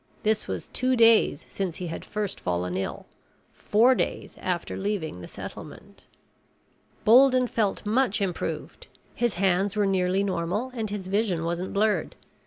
This was two days since he had first fallen ill, four days after leaving the settlement. Bolden felt much improved. His hands were nearly normal and his vision wasn't blurred.